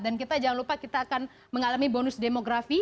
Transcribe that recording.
dan kita jangan lupa kita akan mengalami bonus demografi